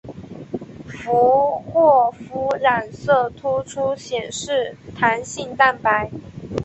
佛霍夫染色突出显示弹性蛋白。